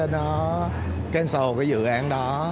nó cancel cái dự án đó